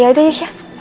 ya udah yusya